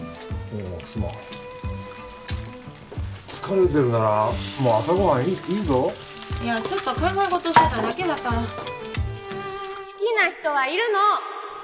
おおすまん疲れてるならもう朝ご飯いいぞいやちょっと考えごとしてただけだから好きな人はいるの